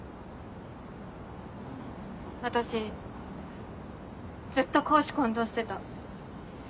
私ずっと公私混同してた。